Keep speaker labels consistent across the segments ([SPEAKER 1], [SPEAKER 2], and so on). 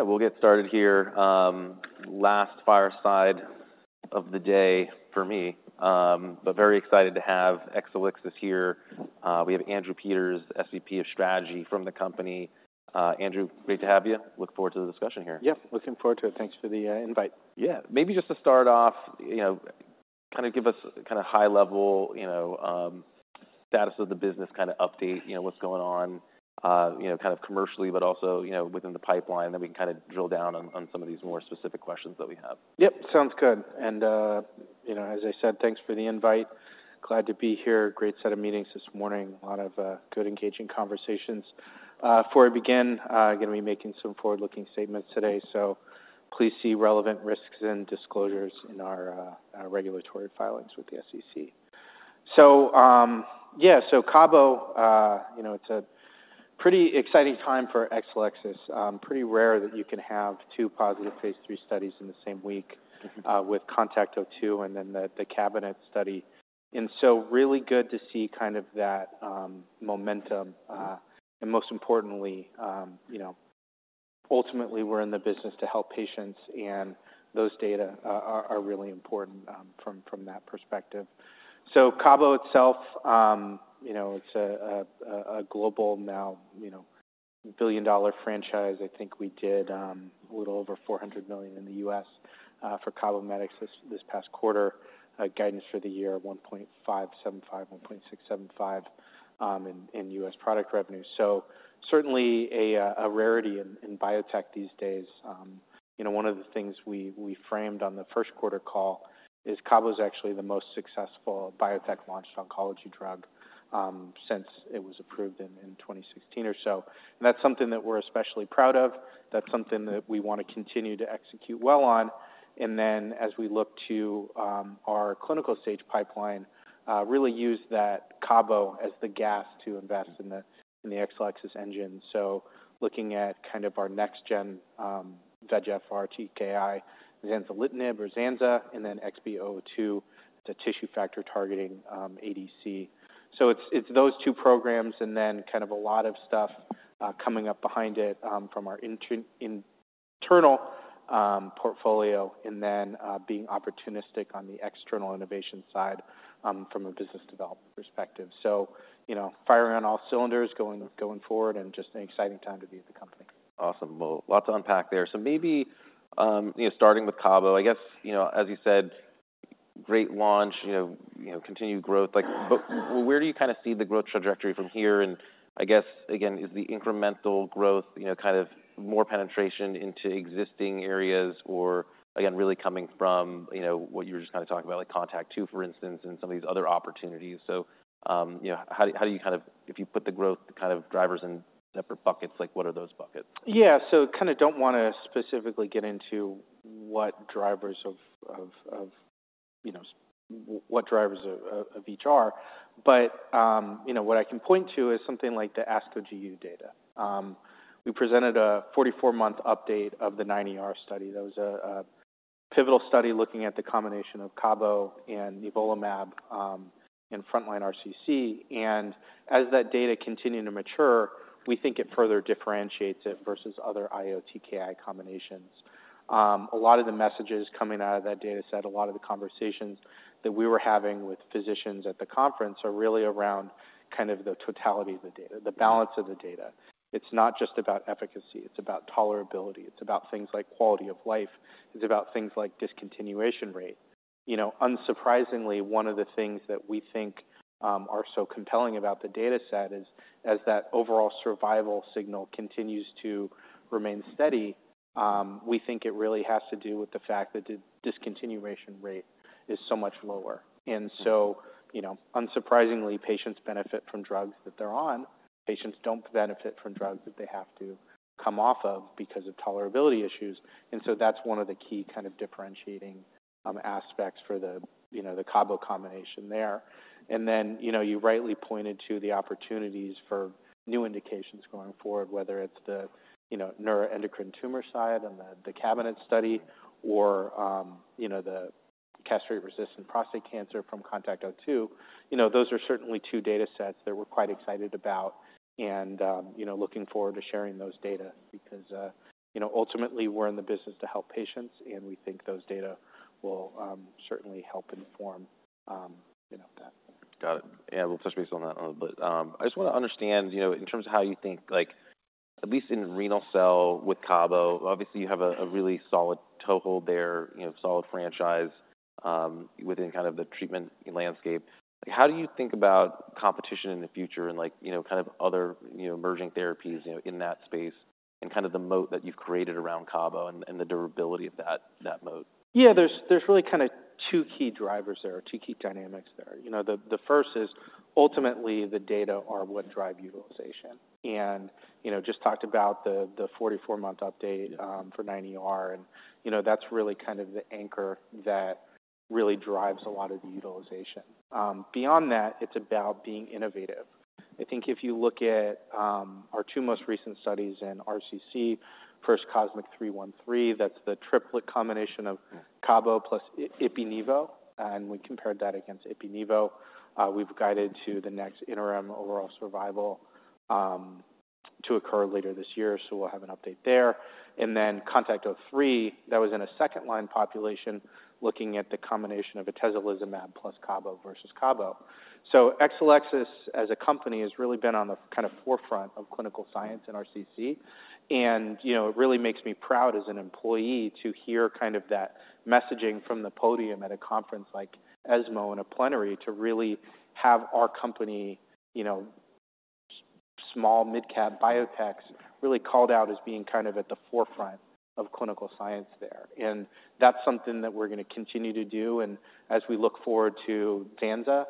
[SPEAKER 1] All right, we'll get started here. Last fireside of the day for me, but very excited to have Exelixis here. We have Andrew Peters, SVP of Strategy from the company. Andrew, great to have you. Look forward to the discussion here.
[SPEAKER 2] Yep, looking forward to it. Thanks for the invite.
[SPEAKER 1] Yeah. Maybe just to start off, you know, kind of give us kind of high-level, you know, status of the business, kind of update, you know, what's going on, you know, kind of commercially, but also, you know, within the pipeline. Then we can kind of drill down on some of these more specific questions that we have.
[SPEAKER 2] Yep, sounds good. You know, as I said, thanks for the invite. Glad to be here. Great set of meetings this morning. A lot of good, engaging conversations. Before I begin, I'm going to be making some forward-looking statements today, so please see relevant risks and disclosures in our regulatory filings with the SEC. Yeah, so cabo, you know, it's a pretty exciting time for Exelixis. Pretty rare that you can have two positive Phase III studies in the same week.
[SPEAKER 1] Mm-hmm
[SPEAKER 2] With CONTACT-02 and then the CABINET study. And so really good to see kind of that momentum. And most importantly, you know, ultimately, we're in the business to help patients, and those data are really important from that perspective. So cabo itself, you know, it's a global now, you know, billion-dollar franchise. I think we did a little over $400 million in the U.S. for Cabometyx this past quarter. Guidance for the year, $1.575 billion-$1.675 billion in U.S. product revenue. So certainly a rarity in biotech these days. You know, one of the things we framed on the first quarter call is cabo is actually the most successful biotech-launched oncology drug since it was approved in 2016 or so. And that's something that we're especially proud of. That's something that we want to continue to execute well on, and then as we look to our clinical stage pipeline, really use that cabo as the gas to invest in the Exelixis engine. So looking at kind of our next gen VEGF-R TKI, zanzalintinib or zanza, and then XB002, the tissue factor targeting ADC. So it's those two programs and then kind of a lot of stuff coming up behind it from our internal portfolio, and then being opportunistic on the external innovation side from a business development perspective. You know, firing on all cylinders, going, going forward, and just an exciting time to be at the company.
[SPEAKER 1] Awesome. Well, a lot to unpack there. So maybe, you know, starting with cabo, I guess, you know, as you said, great launch, you know, continued growth. Like, but where do you kind of see the growth trajectory from here? And I guess, again, is the incremental growth, you know, kind of more penetration into existing areas, or again, really coming from, you know, what you were just kind of talking about, like CONTACT-02, for instance, and some of these other opportunities. So, you know, how do you, how do you kind of—if you put the growth kind of drivers in separate buckets, like, what are those buckets?
[SPEAKER 2] Yeah. So I kind of don't want to specifically get into what drivers of each are. But you know, what I can point to is something like the ASCO GU data. We presented a 44-month update of the 9ER study. That was a pivotal study looking at the combination of cabo and nivolumab in frontline RCC. And as that data continue to mature, we think it further differentiates it versus other IO TKI combinations. A lot of the messages coming out of that data set, a lot of the conversations that we were having with physicians at the conference, are really around kind of the totality of the data, the balance of the data. It's not just about efficacy, it's about tolerability, it's about things like quality of life, it's about things like discontinuation rate. You know, unsurprisingly, one of the things that we think are so compelling about the data set is, as that overall survival signal continues to remain steady, we think it really has to do with the fact that the discontinuation rate is so much lower. And so, you know, unsurprisingly, patients benefit from drugs that they're on. Patients don't benefit from drugs that they have to come off of because of tolerability issues. And so that's one of the key kind of differentiating aspects for the, you know, the cabo combination there. And then, you know, you rightly pointed to the opportunities for new indications going forward, whether it's the, you know, neuroendocrine tumor side and the, the CABINET study or, you know, the castration-resistant prostate cancer from CONTACT-02. You know, those are certainly two data sets that we're quite excited about and, you know, looking forward to sharing those data because, you know, ultimately, we're in the business to help patients, and we think those data will certainly help inform, you know, that.
[SPEAKER 1] Got it. Yeah, we'll touch base on that in a little bit. I just want to understand, you know, in terms of how you think, like, at least in renal cell with cabo, obviously, you have a really solid toehold there, you know, solid franchise within kind of the treatment landscape. How do you think about competition in the future and, like, you know, kind of other, you know, emerging therapies, you know, in that space and kind of the moat that you've created around cabo and the durability of that moat?
[SPEAKER 2] Yeah, there's, there's really kind of two key drivers there or two key dynamics there. You know, the, the first is ultimately the data are what drive utilization. And, you know, just talked about the, the 44-month update, for METEOR, and, you know, that's really kind of the anchor that really drives a lot of the utilization. Beyond that, it's about being innovative. I think if you look at, our two most recent studies in RCC, first, COSMIC-313, that's the triplet combination of cabo plus Ipi/nivo, and we compared that against Ipi/nivo. We've guided to the next interim overall survival to occur later this year, so we'll have an update there. And then CONTACT-03, that was in a second-line population, looking at the combination of atezolizumab plus cabo versus cabo. So Exelixis, as a company, has really been on the kind of forefront of clinical science in RCC, and, you know, it really makes me proud as an employee to hear kind of that messaging from the podium at a conference like ESMO in a plenary, to really have our company, you know, small mid-cap biotechs really called out as being kind of at the forefront of clinical science there. And that's something that we're going to continue to do, and as we look forward to zanza,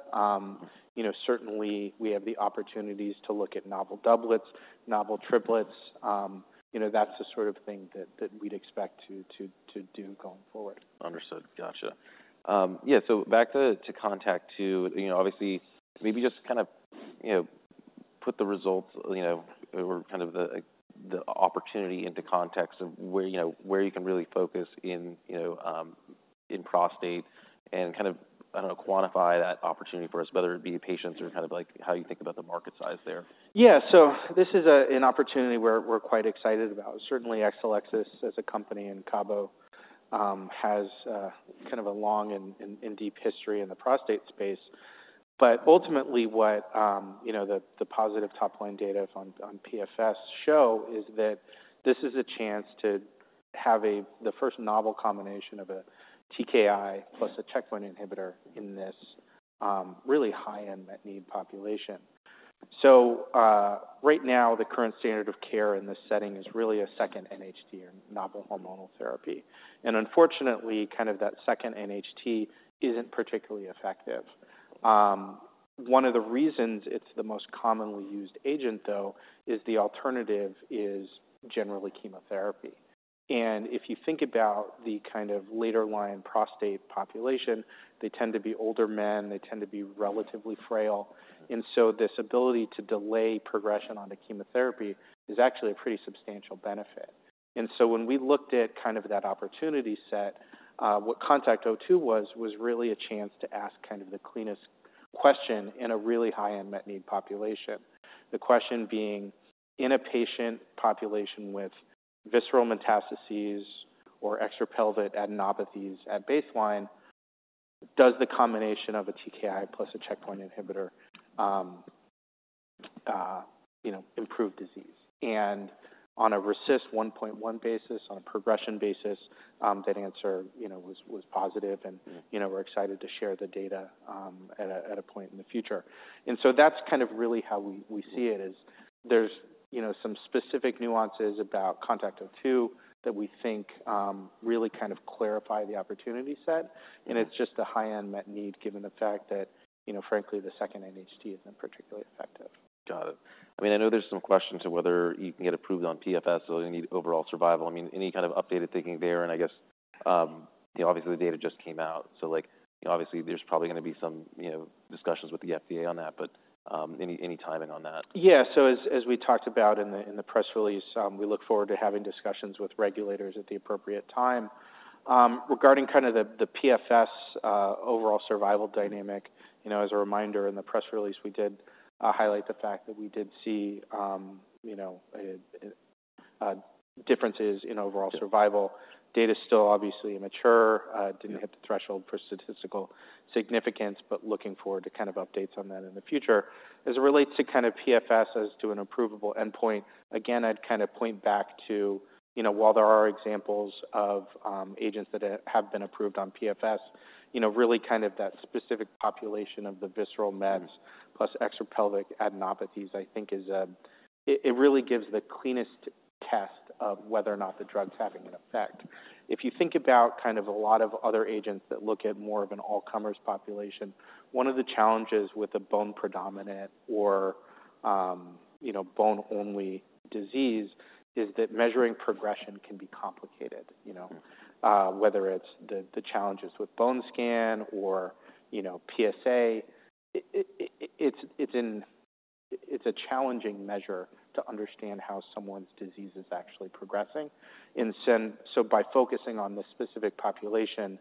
[SPEAKER 2] you know, certainly we have the opportunities to look at novel doublets, novel triplets. You know, that's the sort of thing that we'd expect to do going forward.
[SPEAKER 1] Understood. Gotcha. Yeah, so back to, to CONTACT-02, you know, obviously maybe just kind of, you know, put the results, you know, or kind of the, the opportunity into context of where, you know, where you can really focus in, you know, in prostate and kind of, I don't know, quantify that opportunity for us, whether it be patients or kind of like how you think about the market size there.
[SPEAKER 2] Yeah. So this is an opportunity we're quite excited about. Certainly, Exelixis, as a company, and cabo has kind of a long and deep history in the prostate space. But ultimately, what you know, the positive top-line data on PFS show is that this is a chance to have the first novel combination of a TKI plus a checkpoint inhibitor in this really high unmet need population. So, right now, the current standard of care in this setting is really a second NHT or novel hormonal therapy, and unfortunately, kind of that second NHT isn't particularly effective. One of the reasons it's the most commonly used agent, though, is the alternative is generally chemotherapy. If you think about the kind of later-line prostate population, they tend to be older men, they tend to be relatively frail, and so this ability to delay progression onto chemotherapy is actually a pretty substantial benefit. So when we looked at kind of that opportunity set, what CONTACT-02 was, was really a chance to ask kind of the cleanest question in a really high-end unmet need population. The question being: In a patient population with visceral metastases or extra-pelvic adenopathies at baseline, does the combination of a TKI plus a checkpoint inhibitor, you know, improve disease? And on a RECIST 1.1 basis, on a progression basis, that answer, you know, was, was positive, and-
[SPEAKER 1] Mm-hmm.
[SPEAKER 2] you know, we're excited to share the data at a point in the future. And so that's kind of really how we see it, is there's, you know, some specific nuances about CONTACT-02 that we think really kind of clarify the opportunity set.
[SPEAKER 1] Mm-hmm.
[SPEAKER 2] It's just a high unmet need, given the fact that, you know, frankly, the second NHT isn't particularly effective.
[SPEAKER 1] Got it. I mean, I know there's some questions of whether you can get approved on PFS or you need overall survival. I mean, any kind of updated thinking there? And I guess, you know, obviously, the data just came out, so, like, obviously, there's probably going to be some, you know, discussions with the FDA on that, but, any timing on that?
[SPEAKER 2] Yeah. So as we talked about in the press release, we look forward to having discussions with regulators at the appropriate time. Regarding kind of the PFS overall survival dynamic, you know, as a reminder, in the press release, we did highlight the fact that we did see, you know, differences in overall survival.
[SPEAKER 1] Yep.
[SPEAKER 2] Data is still obviously immature-
[SPEAKER 1] Yeah
[SPEAKER 2] Didn't hit the threshold for statistical significance, but looking forward to kind of updates on that in the future. As it relates to kind of PFS as to an approvable endpoint, again, I'd kind of point back to, you know, while there are examples of agents that have been approved on PFS, you know, really kind of that specific population of the visceral mets plus extra-pelvic adenopathies, I think, is. It, it really gives the cleanest test of whether or not the drug's having an effect. If you think about kind of a lot of other agents that look at more of an all-comers population, one of the challenges with a bone-predominant or, you know, bone-only disease is that measuring progression can be complicated, you know?
[SPEAKER 1] Mm-hmm.
[SPEAKER 2] Whether it's the challenges with bone scan or, you know, PSA, it's a challenging measure to understand how someone's disease is actually progressing. And so by focusing on this specific population,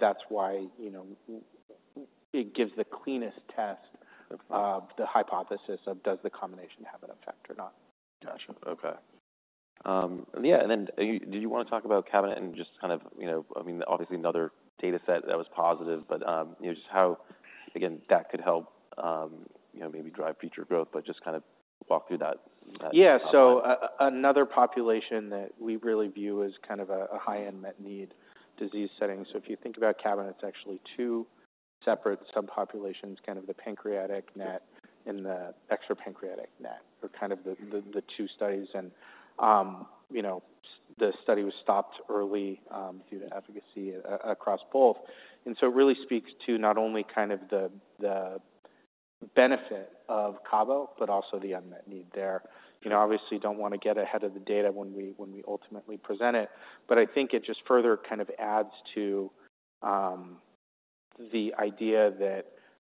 [SPEAKER 2] that's why, you know, it gives the cleanest test-
[SPEAKER 1] Okay
[SPEAKER 2] Of the hypothesis of does the combination have an effect or not?
[SPEAKER 1] Gotcha. Okay. Yeah, and then do you, do you want to talk about CABINET and just kind of, you know, I mean, obviously another data set that was positive, but, you know, just how, again, that could help, you know, maybe drive future growth, but just kind of walk through that, that-
[SPEAKER 2] Yeah.
[SPEAKER 1] -part.
[SPEAKER 2] So another population that we really view as kind of a high unmet need disease setting. So if you think about CABINET, it's actually two separate subpopulations, kind of the pancreatic NET and the extra-pancreatic NET. They're kind of the two studies and, you know, the study was stopped early due to efficacy across both. And so it really speaks to not only kind of the benefit of cabo, but also the unmet need there.
[SPEAKER 1] Mm-hmm.
[SPEAKER 2] You know, obviously, don't want to get ahead of the data when we ultimately present it, but I think it just further kind of adds to the idea that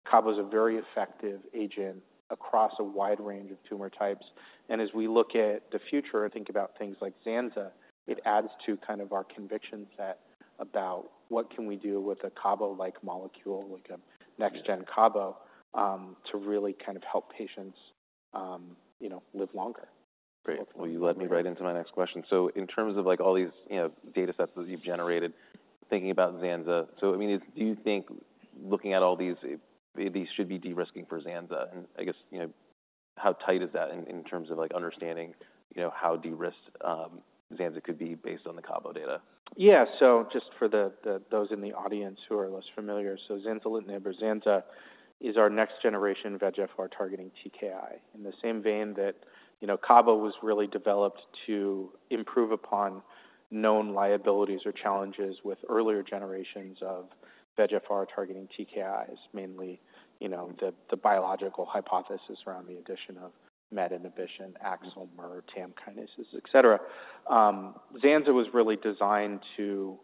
[SPEAKER 2] cabo is a very effective agent across a wide range of tumor types. And as we look at the future and think about things likezanza, it adds to kind of our conviction set about what can we do with a cabo-like molecule, like a next-gen cabo-
[SPEAKER 1] Yeah
[SPEAKER 2] To really kind of help patients, you know, live longer.
[SPEAKER 1] Great. Well, you led me right into my next question. So in terms of, like, all these, you know, data sets that you've generated, thinking about Zanza, so, I mean, do you think looking at all these, these should be de-risking for Zanza? And I guess, you know, how tight is that in, in terms of, like, understanding, you know, how de-risked Zanza could be based on the cabo data?
[SPEAKER 2] Yeah. So just for those in the audience who are less familiar, so zanzalintinib or zanza is our next generation VEGF-R targeting TKI. In the same vein that, you know, cabo was really developed to improve upon known liabilities or challenges with earlier generations of VEGF-R targeting TKIs, mainly, you know, the biological hypothesis around the addition of MET inhibition, AXL, MER, TAM kinases, et cetera. Zanza was really designed to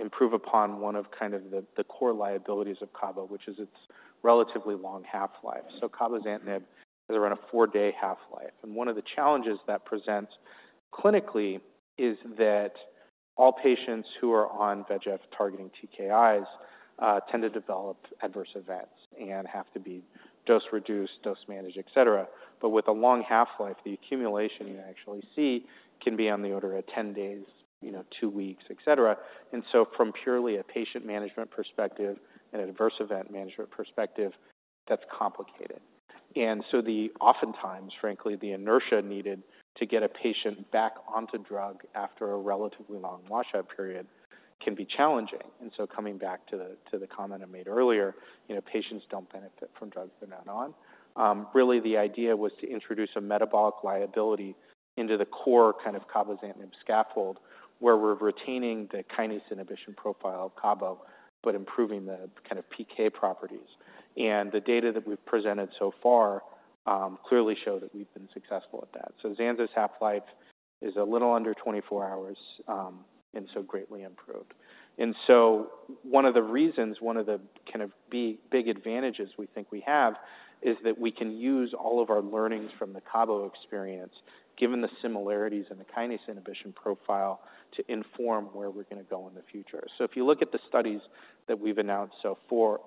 [SPEAKER 2] improve upon one of kind of the core liabilities of cabo, which is its relatively long half-life. So cabozantinib has around a four-day half-life, and one of the challenges that presents clinically is that all patients who are on VEGF-targeting TKIs tend to develop adverse events and have to be dose-reduced, dose-managed, et cetera. But with a long half-life, the accumulation you actually see can be on the order of 10 days, you know, 2 weeks, et cetera. And so from purely a patient management perspective and adverse event management perspective, that's complicated. And so oftentimes, frankly, the inertia needed to get a patient back onto drug after a relatively long washout period can be challenging. And so coming back to the comment I made earlier, you know, patients don't benefit from drugs they're not on. Really, the idea was to introduce a metabolic liability into the core kind of cabozantinib scaffold, where we're retaining the kinase inhibition profile of cabo, but improving the kind of PK properties. And the data that we've presented so far clearly show that we've been successful at that. So zanza's half-life is a little under 24 hours, and so greatly improved. And so one of the reasons, one of the kind of big, big advantages we think we have, is that we can use all of our learnings from the cabo experience, given the similarities in the kinase inhibition profile, to inform where we're going to go in the future. So if you look at the studies that we've announced so far,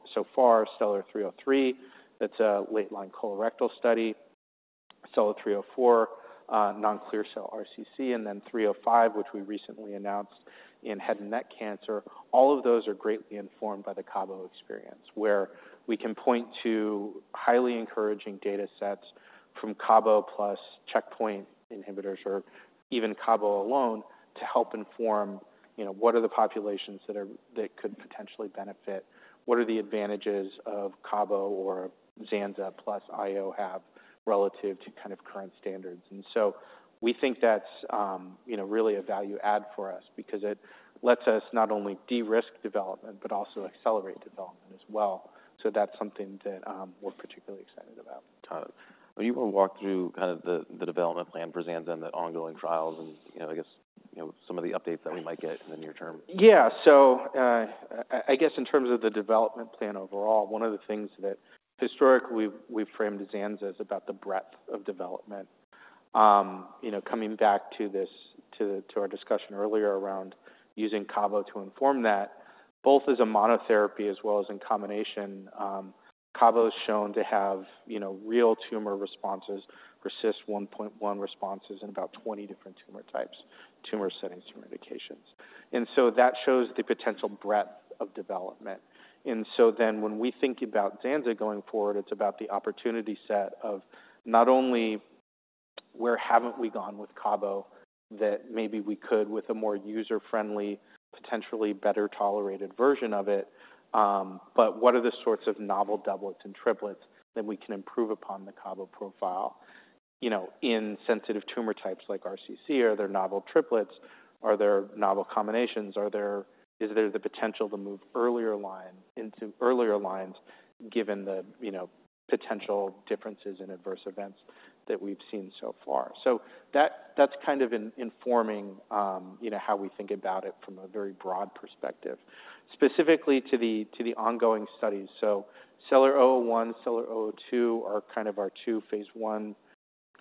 [SPEAKER 2] STELLAR-303, that's a late-line colorectal study, STELLAR-304, non-clear cell RCC, and then STELLAR-305, which we recently announced in head and neck cancer. All of those are greatly informed by the cabo experience, where we can point to highly encouraging data sets from cabo plus checkpoint inhibitors, or even cabo alone, to help inform, you know, what are the populations that could potentially benefit? What are the advantages of cabo or zanza plus IO have relative to kind of current standards? And so we think that's, you know, really a value add for us because it lets us not only de-risk development, but also accelerate development as well. So that's something that, we're particularly excited about.
[SPEAKER 1] Got it. Will you walk through kind of the development plan for zanzalintinib and the ongoing trials and, you know, I guess, you know, some of the updates that we might get in the near term?
[SPEAKER 2] Yeah. So, I guess in terms of the development plan overall, one of the things that historically we've framed Zanza is about the breadth of development. You know, coming back to this, to our discussion earlier around using cabo to inform that, both as a monotherapy as well as in combination, cabo is shown to have, you know, real tumor responses, per RECIST 1.1 responses in about 20 different tumor types, tumor settings, tumor indications. And so that shows the potential breadth of development. And so then when we think about Zanza going forward, it's about the opportunity set of not only where haven't we gone with cabo, that maybe we could with a more user-friendly, potentially better tolerated version of it, but what are the sorts of novel doublets and triplets that we can improve upon the cabo profile? You know, in sensitive tumor types like RCC, are there novel triplets? Are there novel combinations? Are there— Is there the potential to move earlier line into earlier lines, given the, you know, potential differences in adverse events that we've seen so far? So that, that's kind of informing, you know, how we think about it from a very broad perspective. Specifically to the ongoing studies, so STELLAR-001, STELLAR-002 are kind of our two phase I,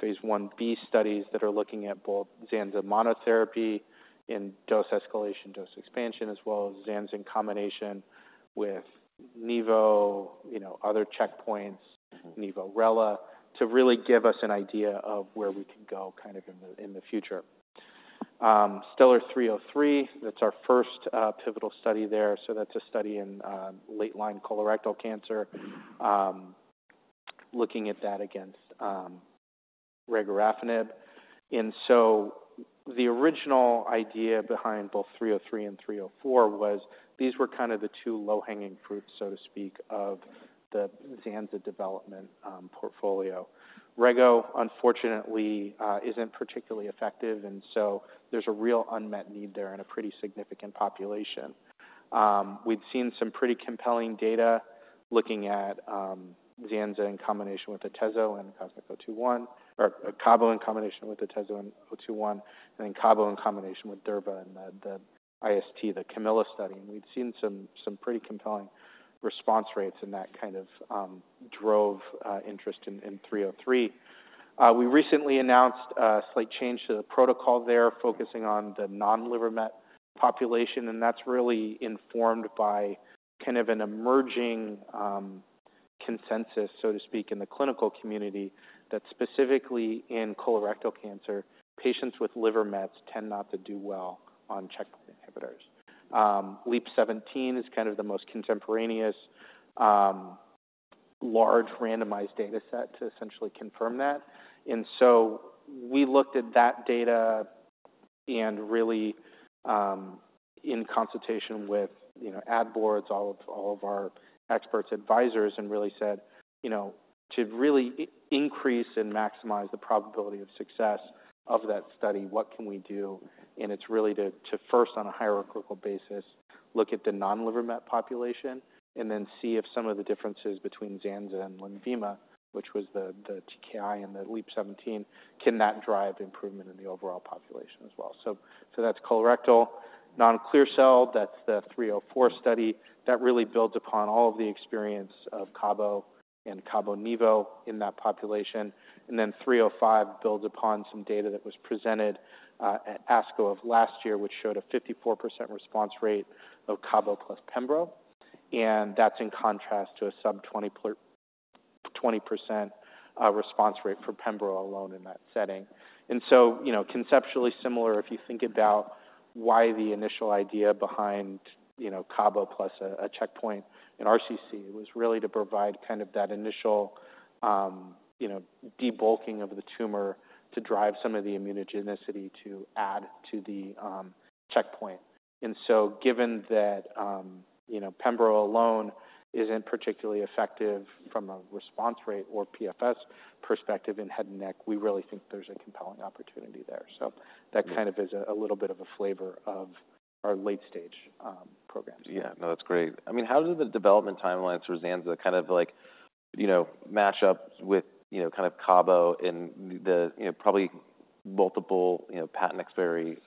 [SPEAKER 2] phase Ib studies that are looking at both Zanza monotherapy in dose escalation, dose expansion, as well as Zanza in combination with nivo, you know, other checkpoints, nivo/rela, to really give us an idea of where we can go kind of in the future. STELLAR-303, that's our first pivotal study there. So that's a study in late-line colorectal cancer, looking at that against regorafenib. And so the original idea behind both 303 and 304 was these were kind of the two low-hanging fruits, so to speak, of the Zanza development portfolio. Rego, unfortunately, isn't particularly effective, and so there's a real unmet need there in a pretty significant population. We've seen some pretty compelling data looking at Zanza in combination with atezolizumab and COSMIC-021, or cabo in combination with atezolizumab and 021, and then cabo in combination with durvalumab and the IST, the CAMILLA study. And we've seen some pretty compelling response rates, and that kind of drove interest in 303. We recently announced a slight change to the protocol there, focusing on the non-liver met population, and that's really informed by kind of an emerging. Consensus, so to speak, in the clinical community, that specifically in colorectal cancer, patients with liver mets tend not to do well on checkpoint inhibitors. LEAP-17 is kind of the most contemporaneous, large randomized data set to essentially confirm that. And so we looked at that data and really, in consultation with, you know, ad boards, all of our experts, advisors, and really said, "You know, to really increase and maximize the probability of success of that study, what can we do?" And it's really to first, on a hierarchical basis, look at the non-liver met population and then see if some of the differences between zanza and Lenvima, which was the TKI in the LEAP-17, can that drive improvement in the overall population as well? So that's colorectal, non-clear cell, that's the 304 study. That really builds upon all of the experience of cabo and cabonivo in that population. And then 305 builds upon some data that was presented at ASCO of last year, which showed a 54% response rate of cabo plus pembro, and that's in contrast to a sub-20-20% response rate for pembro alone in that setting. And so, you know, conceptually similar, if you think about why the initial idea behind, you know, cabo plus a checkpoint in RCC, was really to provide kind of that initial, you know, debulking of the tumor to drive some of the immunogenicity to add to the checkpoint. And so given that, you know, pembro alone isn't particularly effective from a response rate or PFS perspective in head and neck, we really think there's a compelling opportunity there. So that kind of is a little bit of a flavor of our late-stage programs.
[SPEAKER 1] Yeah. No, that's great. I mean, how do the development timelines for Zanza kind of like, you know, mash up with, you know, kind of cabo in the, you know, probably multiple, you know, patent expiry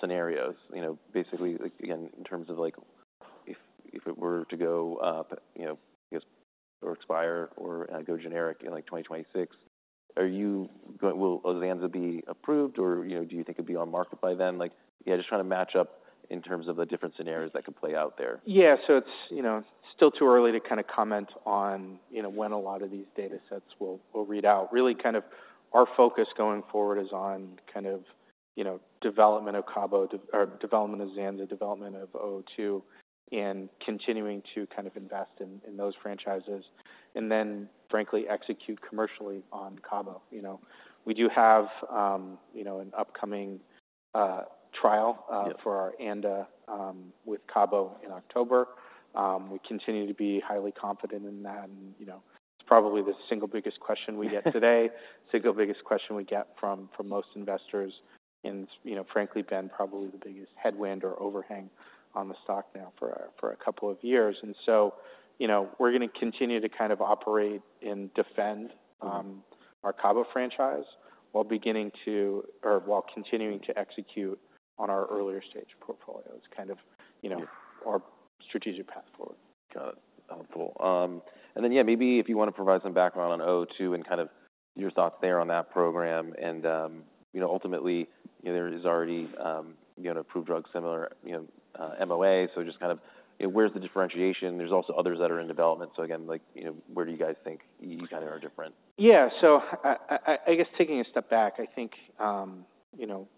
[SPEAKER 1] scenarios? You know, basically, like, again, in terms of, like, if, if it were to go, you know, just or expire or, go generic in, like, 2026, will Zanza be approved or, you know, do you think it'll be on market by then? Like, yeah, just trying to match up in terms of the different scenarios that could play out out there.
[SPEAKER 2] Yeah. So it's, you know, still too early to kind of comment on, you know, when a lot of these data sets will read out. Really, kind of our focus going forward is on kind of, you know, development of cabo, development of zanza, development of XB002, and continuing to kind of invest in those franchises, and then frankly, execute commercially on cabo. You know, we do have, you know, an upcoming trial for our ANDA with cabo in October. We continue to be highly confident in that, and, you know, it's probably the single biggest question we get today. Single biggest question we get from, from most investors, and, you know, frankly, Ben, probably the biggest headwind or overhang on the stock now for a, for a couple of years. And so, you know, we're going to continue to kind of operate and defend our cabo franchise while beginning to... or while continuing to execute on our earlier stage portfolio. It's kind of, you know-
[SPEAKER 1] Yeah...
[SPEAKER 2] our strategic path forward.
[SPEAKER 1] Got it. Helpful. And then, yeah, maybe if you want to provide some background on XB002 and kind of your thoughts there on that program and, you know, ultimately, you know, there is already, you know, an approved drug, similar, you know, MOA. So just kind of, you know, where's the differentiation? There's also others that are in development. So again, like, you know, where do you guys think you kind of are different?
[SPEAKER 2] Yeah. So I guess taking a step back, I think, you know,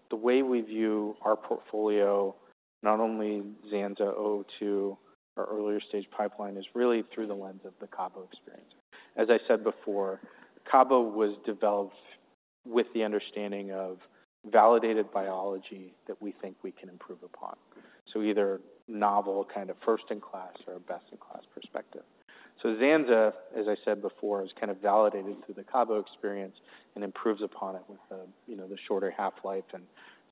[SPEAKER 2] the way we view our portfolio, not only zanza, XL092, our earlier stage pipeline, is really through the lens of the cabo experience. As I said before, cabo was developed with the understanding of validated biology that we think we can improve upon. So either novel, kind of first in class or best in class perspective. So zanza, as I said before, is kind of validated through the cabo experience and improves upon it with the, you know, the shorter half-life and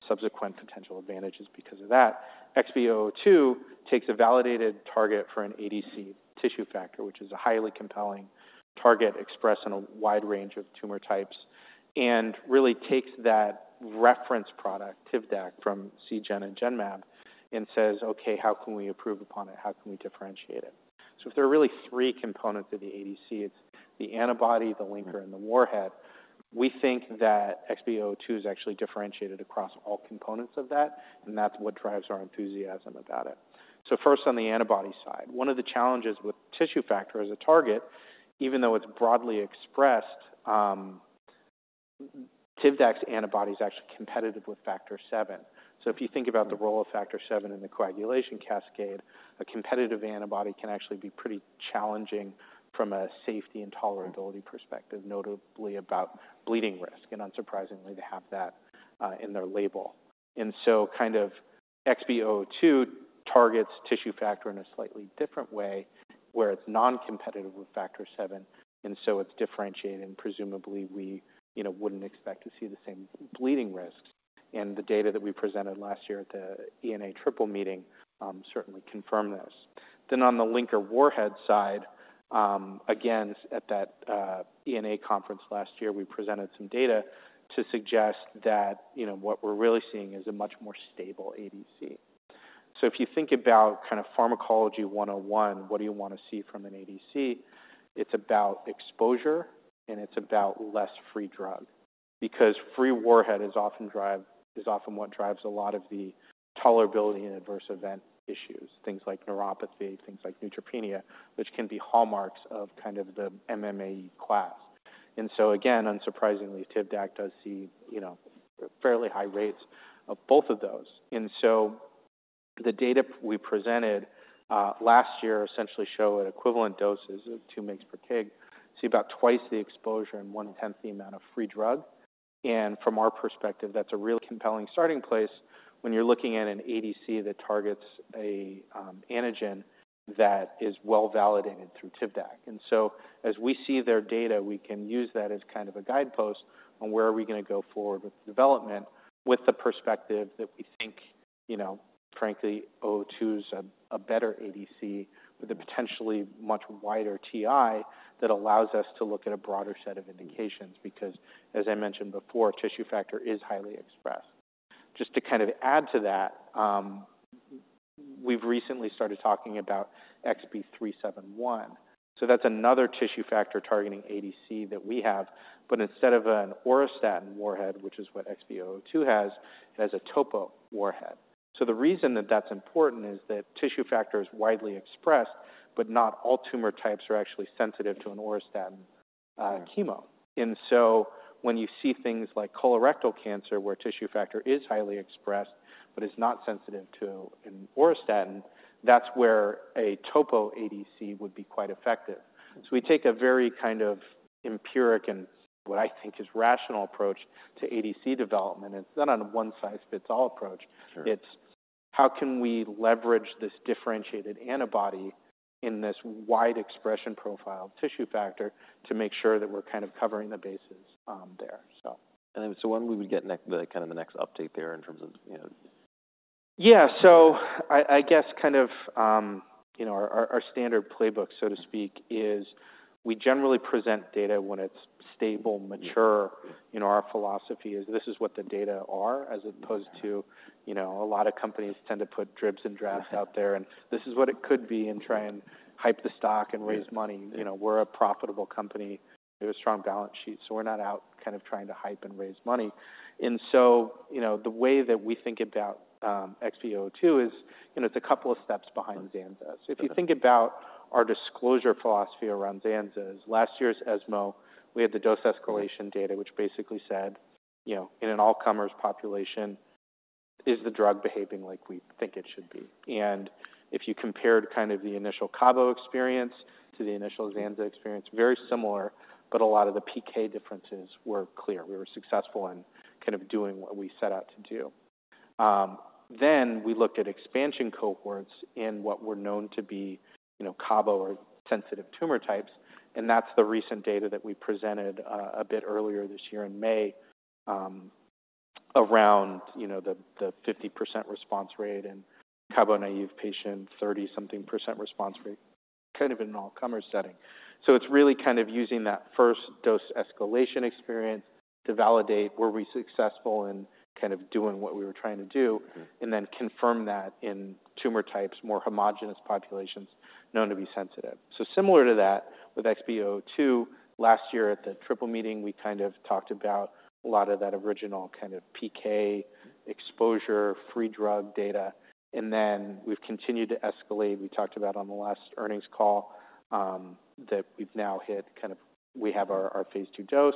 [SPEAKER 2] subsequent potential advantages because of that. XB002 takes a validated target for an ADC tissue factor, which is a highly compelling target expressed in a wide range of tumor types, and really takes that reference product, Tivdak, from Seagen and Genmab, and says: "Okay, how can we improve upon it? How can we differentiate it?" So if there are really three components of the ADC, it's the antibody, the linker-
[SPEAKER 1] Mm-hmm...
[SPEAKER 2] and the warhead. We think that XB002 is actually differentiated across all components of that, and that's what drives our enthusiasm about it. So first, on the antibody side, one of the challenges with tissue factor as a target, even though it's broadly expressed, Tivdak's antibody is actually competitive with factor VII. So if you think about the role of factor VII in the coagulation cascade, a competitive antibody can actually be pretty challenging from a safety and tolerability perspective, notably about bleeding risk, and unsurprisingly, they have that in their label. And so kind of XB002 targets tissue factor in a slightly different way, where it's non-competitive with factor VII, and so it's differentiated, and presumably, we, you know, wouldn't expect to see the same bleeding risks. And the data that we presented last year at the ENA Triple Meeting certainly confirm this. Then on the linker warhead side, again, at that ENA conference last year, we presented some data to suggest that, you know, what we're really seeing is a much more stable ADC. So if you think about kind of Pharmacology 101, what do you want to see from an ADC? It's about exposure, and it's about less free drug.... because free warhead is often what drives a lot of the tolerability and adverse event issues, things like neuropathy, things like neutropenia, which can be hallmarks of kind of the MMAE class. And so again, unsurprisingly, Tivdak does see, you know, fairly high rates of both of those. And so the data we presented last year essentially show at equivalent doses of 2 mg per kg, see about twice the exposure and one-tenth the amount of free drug. From our perspective, that's a really compelling starting place when you're looking at an ADC that targets a, antigen that is well-validated through Tivdak. And so as we see their data, we can use that as kind of a guidepost on where are we going to go forward with development, with the perspective that we think, you know, frankly, XB002 is a, a better ADC with a potentially much wider TI that allows us to look at a broader set of indications, because, as I mentioned before, tissue factor is highly expressed. Just to kind of add to that, we've recently started talking about XB371. So that's another tissue factor targeting ADC that we have, but instead of an auristatin warhead, which is what XB002 has, it has a topo warhead. So the reason that that's important is that tissue factor is widely expressed, but not all tumor types are actually sensitive to an auristatin chemo. And so when you see things like colorectal cancer, where tissue factor is highly expressed but is not sensitive to an auristatin, that's where a topo ADC would be quite effective. So we take a very kind of empiric, and what I think is rational approach, to ADC development. It's not a one-size-fits-all approach.
[SPEAKER 1] Sure.
[SPEAKER 2] It's how can we leverage this differentiated antibody in this wide expression profile tissue factor to make sure that we're kind of covering the bases, there, so.
[SPEAKER 1] So when would we get the next update there in terms of, you know?
[SPEAKER 2] Yeah. So I guess kind of, you know, our standard playbook, so to speak, is we generally present data when it's stable, mature.
[SPEAKER 1] Yeah.
[SPEAKER 2] You know, our philosophy is, "This is what the data are," as opposed to-
[SPEAKER 1] Yeah...
[SPEAKER 2] you know, a lot of companies tend to put dribs and drabs-
[SPEAKER 1] Yeah
[SPEAKER 2] out there, and, "This is what it could be," and try and hype the stock and raise money.
[SPEAKER 1] Yeah.
[SPEAKER 2] You know, we're a profitable company. We have a strong balance sheet, so we're not out kind of trying to hype and raise money. And so, you know, the way that we think about XB002 is, you know, it's a couple of steps behind Xanza.
[SPEAKER 1] Okay.
[SPEAKER 2] So if you think about our disclosure philosophy around Zanza, last year's ESMO, we had the dose escalation-
[SPEAKER 1] Yeah...
[SPEAKER 2] data, which basically said, you know, in an all-comers population, is the drug behaving like we think it should be? And if you compared kind of the initial cabo experience to the initial zanza experience, very similar, but a lot of the PK differences were clear. We were successful in kind of doing what we set out to do. Then we looked at expansion cohorts in what were known to be, you know, cabo or sensitive tumor types, and that's the recent data that we presented, a bit earlier this year in May, around, you know, the 50% response rate in cabo-naïve patients, 30-something% response rate, kind of in an all-comers setting. So it's really kind of using that first dose escalation experience to validate were we successful in kind of doing what we were trying to do?
[SPEAKER 1] Mm-hmm.
[SPEAKER 2] And then confirm that in tumor types, more homogenous populations known to be sensitive. So similar to that, with XB002, last year at the triple meeting, we kind of talked about a lot of that original kind of PK exposure, free drug data, and then we've continued to escalate. We talked about on the last earnings call that we've now hit kind of. We have our phase II dose,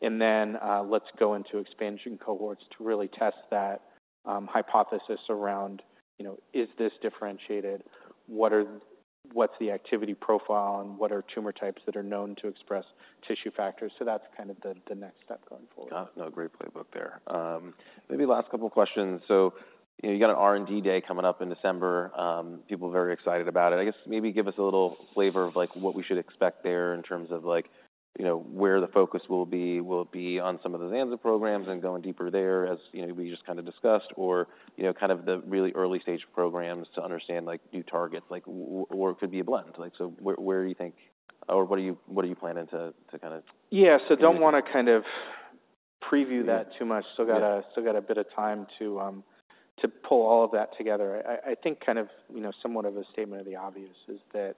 [SPEAKER 2] and then let's go into expansion cohorts to really test that hypothesis around, you know, is this differentiated? What's the activity profile, and what are tumor types that are known to express tissue factors? So that's kind of the next step going forward.
[SPEAKER 1] No, great playbook there. Maybe last couple questions. So, you know, you got an R&D day coming up in December. People are very excited about it. I guess maybe give us a little flavor of, like, what we should expect there in terms of like, you know, where the focus will be. Will it be on some of the Zanza programs and going deeper there, as, you know, we just kind of discussed, or, you know, kind of the really early stage programs to understand, like, new targets? Like, or it could be a blend. Like, so where do you think, or what are you planning to kind of-
[SPEAKER 2] Yeah, so don't want to kind of preview that-
[SPEAKER 1] Yeah...
[SPEAKER 2] too much.
[SPEAKER 1] Yeah.
[SPEAKER 2] Still got a bit of time to pull all of that together. I think, kind of, you know, somewhat of a statement of the obvious is that,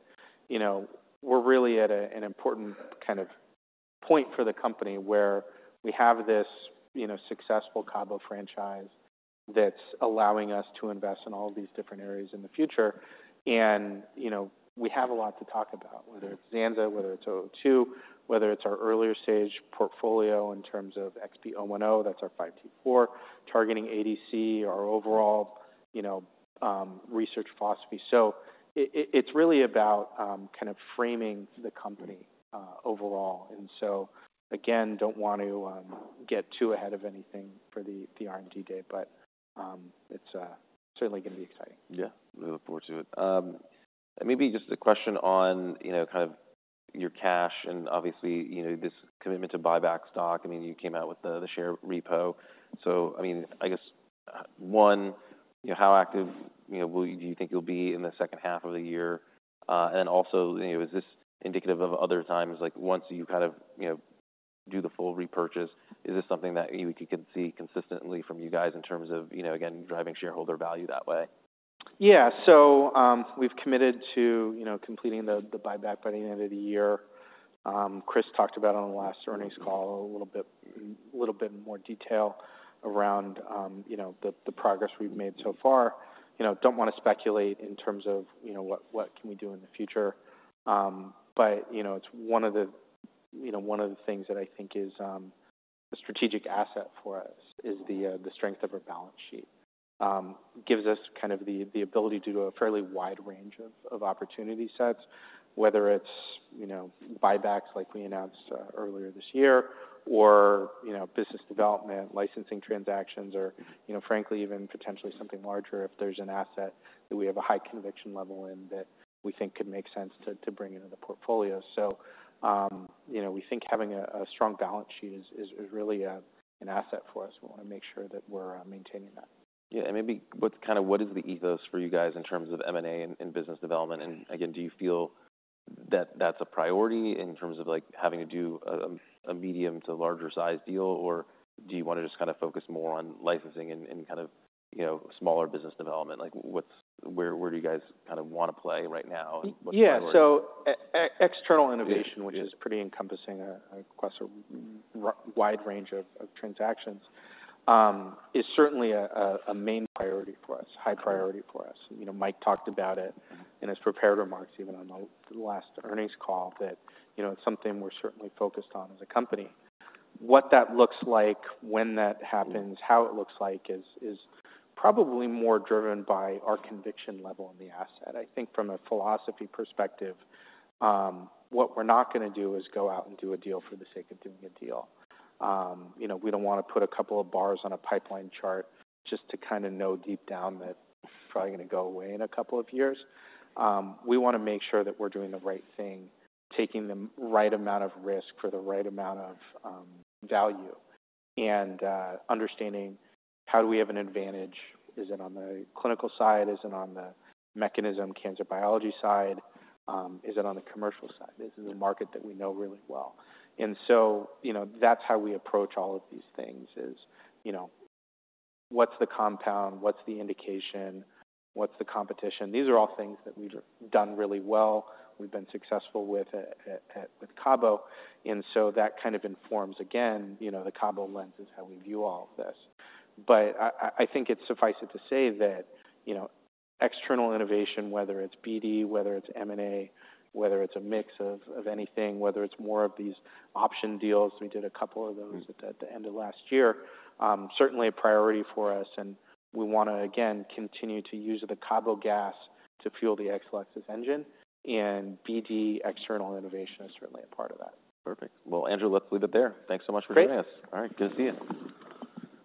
[SPEAKER 2] you know, we're really at an important kind of point for the company where we have this, you know, successful cabo franchise that's allowing us to invest in all these different areas in the future. And, you know, we have a lot to talk about, whether it's zanza, whether it's XB002, whether it's our earlier stage portfolio in terms of XB010, that's our 5T4-targeting ADC, our overall, you know, research philosophy. So it's really about kind of framing the company overall. And so, again, don't want to get too ahead of anything for the R&D day, but it's certainly going to be exciting.
[SPEAKER 1] Yeah. We look forward to it. Maybe just a question on, you know, kind of your cash and obviously, you know, this commitment to buy back stock. I mean, you came out with the, the share repo. So, I mean, I guess, one, you know, how active, you know, do you think you'll be in the second half of the year? And also, you know, is this indicative of other times? Like, once you kind of, you know, do the full repurchase, is this something that we could see consistently from you guys in terms of, you know, again, driving shareholder value that way?
[SPEAKER 2] Yeah, so, we've committed to, you know, completing the buyback by the end of the year. Chris talked about on the last earnings call a little bit, a little bit more detail around, you know, the progress we've made so far. You know, don't want to speculate in terms of, you know, what can we do in the future. But, you know, it's one of the things that I think is a strategic asset for us, is the strength of our balance sheet. Gives us kind of the ability to do a fairly wide range of opportunity sets, whether it's, you know, buybacks like we announced earlier this year or, you know, business development, licensing transactions or, you know, frankly, even potentially something larger if there's an asset that we have a high conviction level in that we think could make sense to bring into the portfolio. So, you know, we think having a strong balance sheet is really an asset for us. We want to make sure that we're maintaining that.
[SPEAKER 1] Yeah. And maybe what is the ethos for you guys in terms of M&A and business development? And again, do you feel that that's a priority in terms of, like, having to do a medium to larger size deal? Or do you want to just kind of focus more on licensing and kind of, you know, smaller business development? Like, where do you guys kind of want to play right now? And what's the priority?
[SPEAKER 2] Yeah. So external innovation-
[SPEAKER 1] Yeah, yeah.
[SPEAKER 2] -which is pretty encompassing, across a wide range of transactions, is certainly a main priority for us, high priority for us. You know, Mike talked about it-
[SPEAKER 1] Mm-hmm.
[SPEAKER 2] -in his prepared remarks, even on the last earnings call, that, you know, it's something we're certainly focused on as a company. What that looks like, when that happens-
[SPEAKER 1] Mm.
[SPEAKER 2] How it looks like is probably more driven by our conviction level in the asset. I think from a philosophy perspective, what we're not gonna do is go out and do a deal for the sake of doing a deal. You know, we don't want to put a couple of bars on a pipeline chart just to kind of know deep down that it's probably gonna go away in a couple of years. We want to make sure that we're doing the right thing, taking the right amount of risk for the right amount of value, and understanding how do we have an advantage? Is it on the clinical side? Is it on the mechanism, cancer biology side? Is it on the commercial side?
[SPEAKER 1] Mm-hmm.
[SPEAKER 2] Is it a market that we know really well? And so, you know, that's how we approach all of these things is, you know, what's the compound? What's the indication? What's the competition? These are all things that we've done really well. We've been successful with cabo, and so that kind of informs, again, you know, the cabo lens is how we view all of this. But I think suffice it to say that, you know, external innovation, whether it's BD, whether it's M&A, whether it's a mix of anything, whether it's more of these option deals, we did a couple of those-
[SPEAKER 1] Mm.
[SPEAKER 2] at the end of last year, certainly a priority for us, and we want to again, continue to use the cabo gas to fuel the Exelixis engine, and BD external innovation is certainly a part of that.
[SPEAKER 1] Perfect. Well, Andrew, let's leave it there. Thanks so much for joining us.
[SPEAKER 2] Great.
[SPEAKER 1] All right. Good to see you.